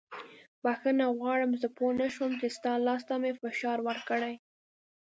بښنه غواړم زه پوه نه شوم چې ستا لاس ته مې فشار ورکړی.